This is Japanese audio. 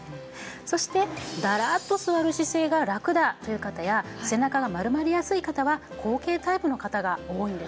そしてダラッと座る姿勢がラクだという方や背中が丸まりやすい方は後傾タイプの方が多いんですね。